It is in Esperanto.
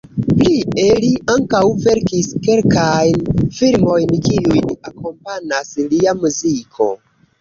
Plie li ankaŭ verkis kelkajn filmojn kiujn akompanas lia muziko.